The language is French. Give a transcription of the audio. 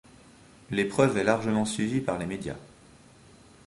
L'épreuve est largement suivie par les médias.